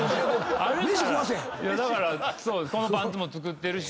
あるからだからこのパンツも作ってるし。